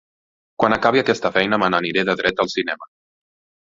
Quan acabi aquesta feina me n'aniré de dret al cinema.